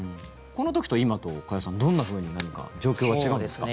この時と今と加谷さん、どんなふうに状況は違うんですか？